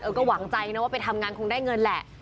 ก็หวังใจนะว่าไปทำงานคงได้เงินแหละ